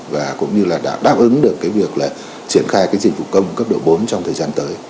và cũng như là đáp ứng được việc triển khai dịch vụ công cấp độ bốn trong thời gian tới